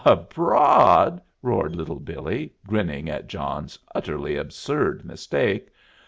"Abroad!" roared Little Billee, grinning at John's utterly absurd mistake.